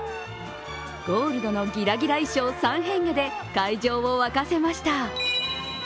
ゴールドのギラギラ衣装三変化で会場を沸かせました。